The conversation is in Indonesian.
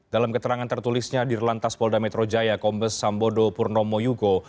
dalam keterangan tertulisnya di lantas polda metro jaya kombes sambodo purnomo yugo